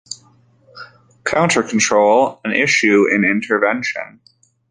"Countercontrol: An issue in Intervention".